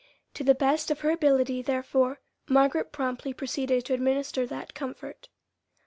To the best of her ability, therefore, Margaret promptly proceeded to administer that comfort.